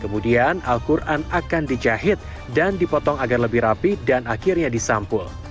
kemudian al quran akan dijahit dan dipotong agar lebih rapi dan akhirnya disampul